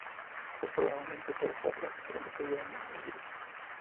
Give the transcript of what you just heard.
Fue probablemente por esta razón que pronto cayeron en el olvido.